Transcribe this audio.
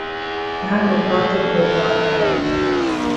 یہاں لغات اور لغات ہے۔